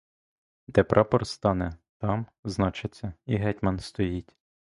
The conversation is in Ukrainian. Де прапор стане, там, значиться, і гетьман стоїть.